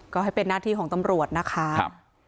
ก็ให้เป็นหน้าที่ของตำรวจนะคะ